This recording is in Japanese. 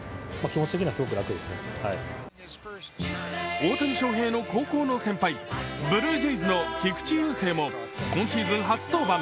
大谷翔平の高校の先輩、ブルージェイズの菊池雄星も今シーズン初登板。